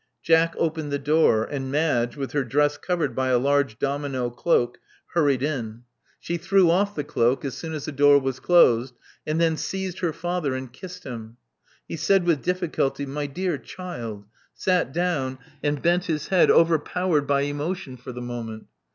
Jack opened the door; and Madge, with her dress covered by a large domino cloak, hurried in. She 250 Love Among the Artists threw off the cloak as soon as the door was closed, and then seized her father and kissed him. He said with difficulty, My dear child*'; sat down; and bent his head, overpowered by emotion for the moment.